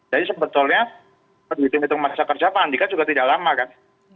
jadi sebetulnya menurut saya masa kerja pak andika juga tidak lama kan